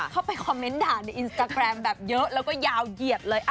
เข้าไปคอมเมนต์ด่าในอินสตาแกรมแบบเยอะแล้วก็ยาวเหยียดเลย